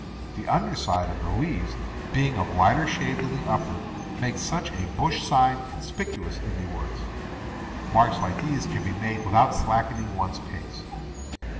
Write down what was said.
The under side of the leaves, being of lighter shade than the upper, makes such a bush sign conspicuous in the woods. Marks like these can be made without slacking one's pace.